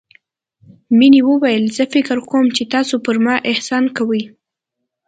مينې وويل زه فکر کوم چې تاسو پر ما احسان کوئ.